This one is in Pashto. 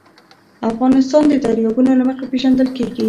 افغانستان د دریابونه له مخې پېژندل کېږي.